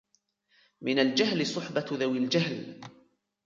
مِنْ الْجَهْلِ صُحْبَةُ ذَوِي الْجَهْلِ